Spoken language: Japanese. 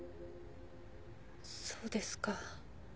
そうですか。